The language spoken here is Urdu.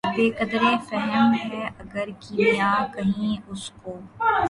بہ قدرِ فہم ہے اگر کیمیا کہیں اُس کو